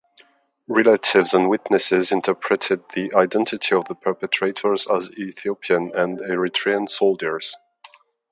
Relatives and witnesses interpreted the identity of the perpetrators as Ethiopian and Eritrean soldiers.